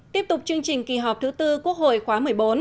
tiếp tục chương trình kỳ họp thứ tư quốc hội khóa một mươi bốn